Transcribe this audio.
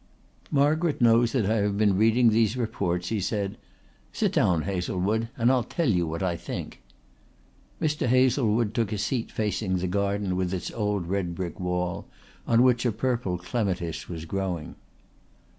"Margaret knows that I have been reading these reports," he said. "Sit down, Hazlewood, and I'll tell you what I think." Mr. Hazlewood took a seat facing the garden with its old red brick wall, on which a purple clematis was growing.